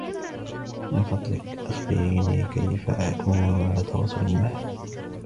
من فضلِك أخبريني كيف أكون على تواصل معها.